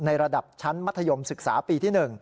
ระดับชั้นมัธยมศึกษาปีที่๑